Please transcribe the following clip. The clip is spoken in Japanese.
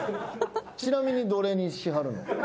ちなみにどれにしはるの？